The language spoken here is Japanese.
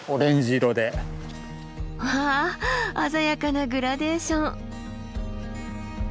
わあ鮮やかなグラデーション。